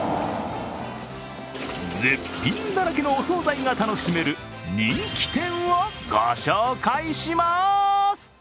絶品だらけのお総菜が楽しめる人気店をご紹介します。